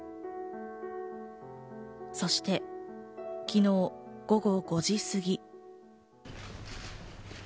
そして昨日、午後５時すぎ。